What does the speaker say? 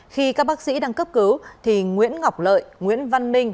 khi các bác sĩ đang cấp cứu thì nguyễn ngọc lợi nguyễn văn ninh